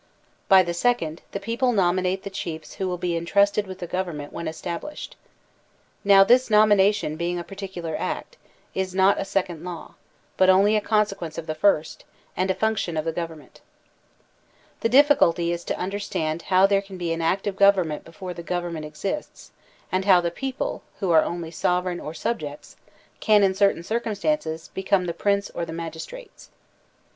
By the second, the people nominate the chiefs who will be intrusted with the government when established. Now, this nomination being a particular act, is not a second law, but only a consequence of the first, and a function of the government The difficulty is to understand how there can be an act of government before the government exists, and how the people, who are only sovereign or subjects, can, in certain circumstances, become the Prince or the magis trates.